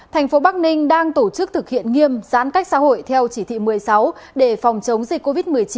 thành phố bắc ninh đang tổ chức thực hiện nghiêm giãn cách xã hội theo chỉ thị một mươi sáu để phòng chống dịch covid một mươi chín